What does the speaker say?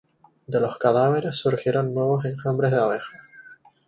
De los cadáveres surgieron nuevos enjambres de abejas.